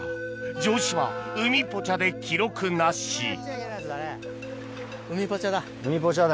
城島海ぽちゃで記録なし海ぽちゃだ。